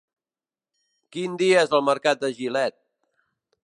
Quin dia és el mercat de Gilet?